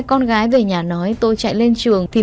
ông trung nói